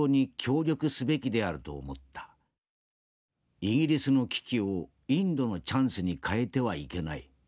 イギリスの危機をインドのチャンスに変えてはいけない。